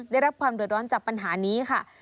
ได้รับความเดือดร้อนจากปัญหานี้ค่ะ